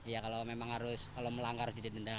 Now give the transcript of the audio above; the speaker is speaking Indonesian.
ya kalau memang harus kalau melanggar jadi denda